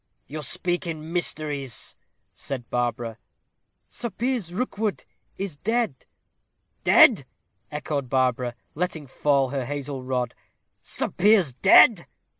"You speak in mysteries," said Barbara. "Sir Piers Rookwood is dead." "Dead!" echoed Barbara, letting fall her hazel rod. "Sir Piers dead!"